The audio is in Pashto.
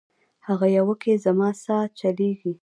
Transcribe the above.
هغه یوه کي زما سا چلیږي